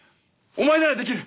お前ならできる！